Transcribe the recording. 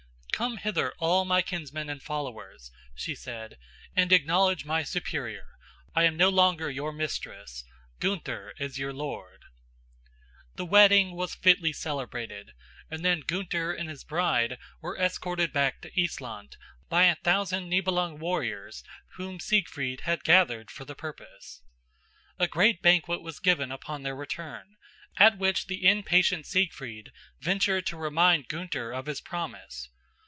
"Come hither all my kinsmen and followers," she said, "and acknowledge my superior. I am no longer your mistress. Gunther is your lord." The wedding was fitly celebrated and then Gunther and his bride were escorted back to Issland by a thousand Nibelung warriors whom Siegfried had gathered for the purpose. A great banquet was given upon their return, at which the impatient Siegfried ventured to remind Gunther of his promise.